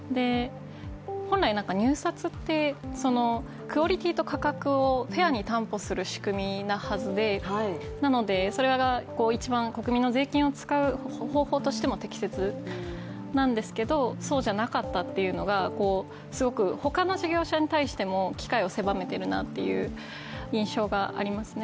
本来、入札ってクオリティと価格をフェアに担保する仕組みのはずでなのでそれが一番国民の税金を使う方法しても適切なんですけれども、そうじゃなかったというのがすごく、他の事業者に対しても機会を狭めてるなっていう印象がありますね。